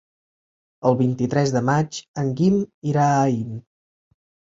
El vint-i-tres de maig en Guim irà a Aín.